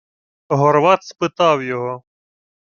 Горват спитав його: